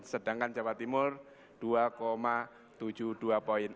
sedangkan jawa timur dua tujuh puluh dua poin